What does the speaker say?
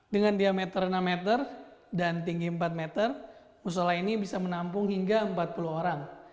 dengan diameter enam meter dan tinggi empat meter musola ini bisa menampung hingga empat puluh orang